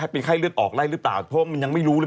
เป็นไข้เลือดออกไล่หรือเปล่าเพราะมันยังไม่รู้เลย